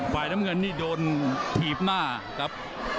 ฝ่ายน้ำเงินนี่โดนถีบหน้าครับ